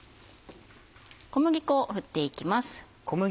小麦粉を振っていきます。